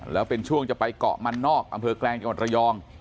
แล้วเป็นช่วงจะไปเกาะมันนอกบกจรย